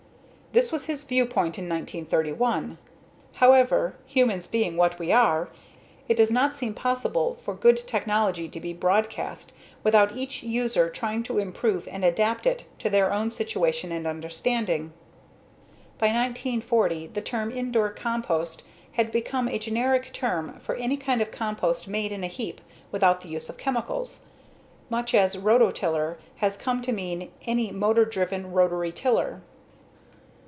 That was his viewpoint in 1931. However, humans being what we are, it does not seem possible for good technology to be broadcast without each user trying to improve and adapt it to their own situation and understanding. By 1940, the term "lndore compost" had become a generic term for any kind of compost made in a heap without the use of chemicals, much as "Rototiller" has come to mean any motor driven rotarytiller.